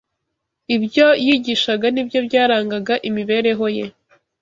Ibyo yigishaga ni byo byarangaga imibereho ye